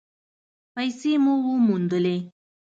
پیسې مو وموندلې؟